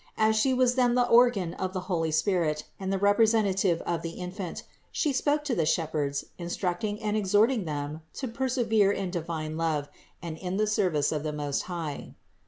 As She was then the organ of the holy Spirit and the representative of the Infant, She spoke to the shepherds, instructing and exhorting them to persevere in divine love and in the service of the Most High.